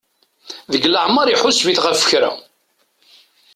Deg leɛmer iḥuseb-it ɣef kra.